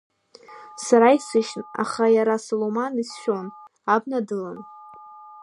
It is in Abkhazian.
Сара исышьҭан, аха иара Салуман ицәшәон, абна дылан.